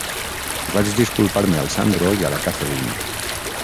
Vaig disculpar-me al Sandro i a la Catherine.